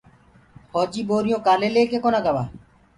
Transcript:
ڦوجيٚ ٻورِيونٚ ڪآلي ليڪي ڪونآ گوآ